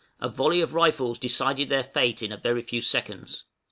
a volley of rifles decided their fate in a very few seconds.